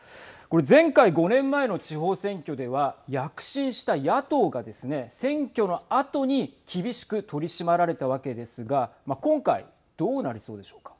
前回５年前の地方選挙では躍進した野党がですね選挙のあとに厳しく取り締まられたわけですが今回、どうなりそうでしょうか。